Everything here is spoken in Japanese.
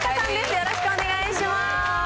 よろしくお願いします。